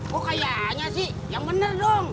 kok kayaknya sih yang bener dong